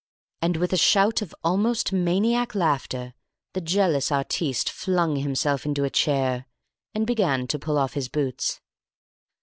And, with a shout of almost maniac laughter, the jealous artiste flung himself into a chair, and began to pull off his boots.